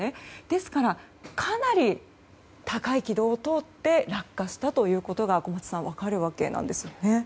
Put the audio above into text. ですからかなり高い軌道を通って落下したということが小松さん、分かるわけですね。